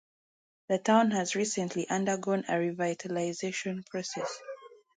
The town has recently undergone a revitalization process.